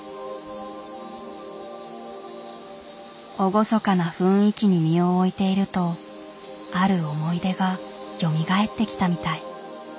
厳かな雰囲気に身を置いているとある思い出がよみがえってきたみたい。